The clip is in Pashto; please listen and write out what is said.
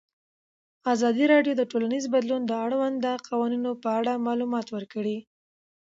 ازادي راډیو د ټولنیز بدلون د اړونده قوانینو په اړه معلومات ورکړي.